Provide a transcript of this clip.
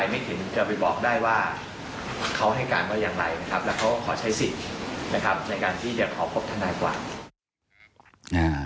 และเขาก็ขอใช้สิทธิ์ในการที่จะขอพบท่านหน้ากว่า